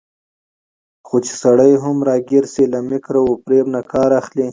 خو چې سړى هم راګېر شي، له مکر وفرېب نه کار اخلي